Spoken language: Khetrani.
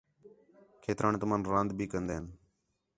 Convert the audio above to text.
کھیتران تُمن راند بھی کندین